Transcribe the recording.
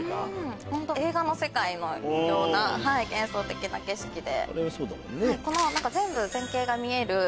本当映画の世界のような幻想的な景色で。